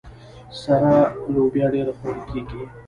سره لوبیا ډیره خوړل کیږي.